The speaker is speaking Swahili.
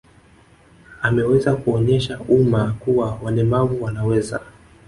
Ameweza kuuonyesha umma kuwa walemavu wanaweza